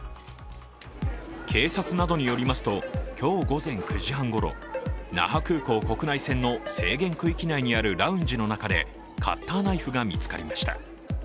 警察などによりますと、今日午前９時半ごろ、那覇空港国内線の制限区域内にあるラウンジの中でカッターナイフが見つかりました。